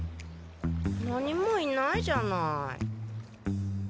何もいないじゃない。